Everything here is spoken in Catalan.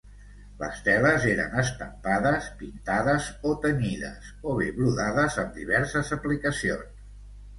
Les teles eren estampades, pintades o tenyides, o bé brodades amb diverses aplicacions.